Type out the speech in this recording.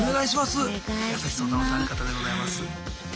優しそうなお三方でございます。